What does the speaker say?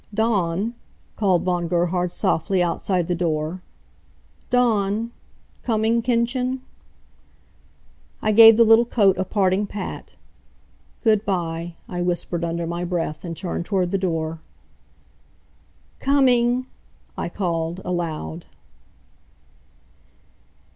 "Dawn!" called Von Gerhard softly, outside the door. "Dawn! Coming, Kindchen?" I gave the little coat a parting pat. "Goodby," I whispered, under my breath, and turned toward the door. "Coming!" I called, aloud.